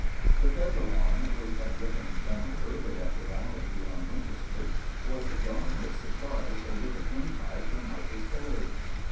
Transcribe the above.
The Federal arm which had driven General Early up the valley beyond Winchester was drawing its supplies over the turnpike from Harper's Ferry.